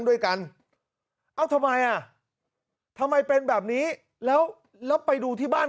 ด้วยกันเอ้าทำไมอ่ะทำไมเป็นแบบนี้แล้วแล้วไปดูที่บ้าน